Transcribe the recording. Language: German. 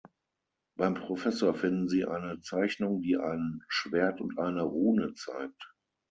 Beim Professor finden sie eine Zeichnung, die ein Schwert und eine Rune zeigt.